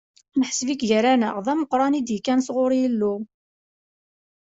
Neḥseb-ik gar-aneɣ d ameqran i d-ikkan sɣur Yillu.